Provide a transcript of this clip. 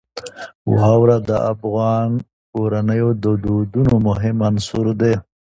واوره د افغان کورنیو د دودونو مهم عنصر دی.